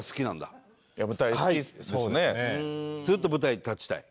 ずっと舞台に立ちたい？